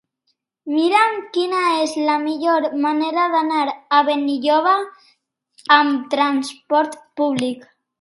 Mira'm quina és la millor manera d'anar a Benilloba amb transport públic.